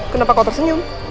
kenapa kau tersenyum